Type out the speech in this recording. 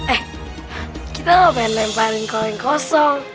eh kita ga pengen lemparin kaleng kosong